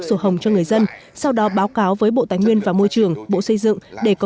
sổ hồng cho người dân sau đó báo cáo với bộ tài nguyên và môi trường bộ xây dựng để có